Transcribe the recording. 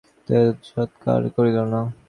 কেহই তাহাদিগকে সৎকার করিল না।